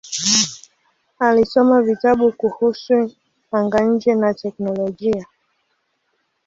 Alisoma vitabu kuhusu anga-nje na teknolojia.